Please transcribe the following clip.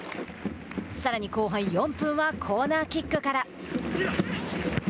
さらに後半４分はコーナーキックから。